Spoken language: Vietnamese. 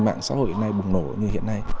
mạng xã hội bùng nổ như hiện nay